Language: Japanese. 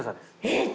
えっ！